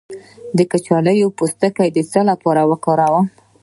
د کچالو پوستکی د څه لپاره وکاروم؟